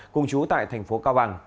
cùng chú tại tp cao bằng